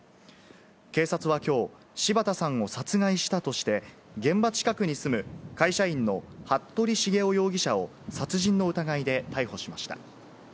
警察はきょう、柴田さんを殺害したとして、現場近くに住む会社員の服部繁雄容疑者を殺人の疑いで逮捕しました。